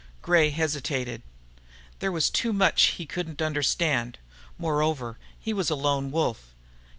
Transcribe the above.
Gray hesitated. There was too much he couldn't understand. Moreover, he was a lone wolf.